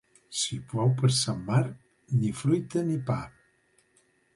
Si plou per Sant Marc, ni fruita ni pa.